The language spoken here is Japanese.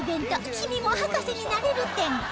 「君も博士になれる展」